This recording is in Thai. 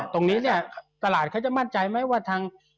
ตรงนี้เนี่ยตลาดเขาจะมั่นใจไหมว่าทาง